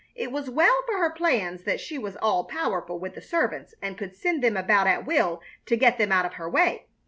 It was well for her plans that she was all powerful with the servants and could send them about at will to get them out of her way.